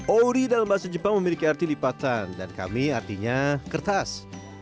ori dalam bahasa jepang memiliki arti lipatan dan kami artinya kertas